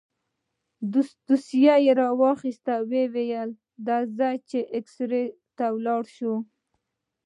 دوسيه يې راواخيسته ويې ويل درځه چې اكسرې ته ولاړ شو.